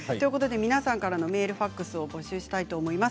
皆さんからのメール、ファックスを募集します。